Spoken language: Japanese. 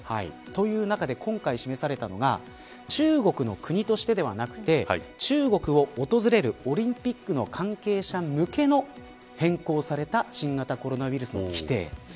という中で今回示されたのが中国の国としてではなくて中国を訪れるオリンピックの関係者向けの変更された新型コロナウイルスの規定。